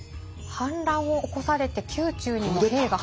反乱を起こされて宮中にも兵が。